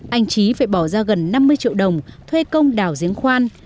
anh trí phải bỏ ra gần năm mươi triệu đồng thuê công đảo giếng khoan